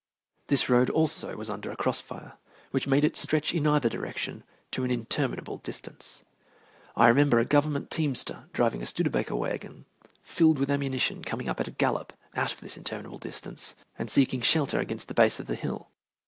This road also was under a cross fire, which made it stretch in either direction to an interminable distance. I remember a government teamster driving a Studebaker wagon filled with ammunition coming up at a gallop out of this interminable distance and seeking shelter against the base of the hill.